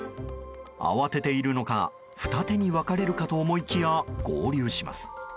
慌てているのか二手に分かれるかと思いきや合流します。